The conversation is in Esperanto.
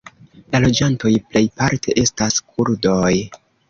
La loĝantoj plejparte estas kurdoj.